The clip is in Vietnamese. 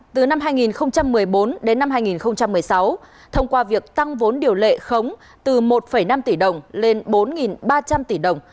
từ năm hai nghìn một mươi bốn đến năm hai nghìn một mươi sáu thông qua việc tăng vốn điều lệ khống từ một năm tỷ đồng lên bốn ba trăm linh tỷ đồng